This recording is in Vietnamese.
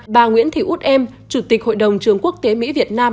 bà nguyễn thị út em chủ tịch hội đồng trường quốc tế mỹ việt nam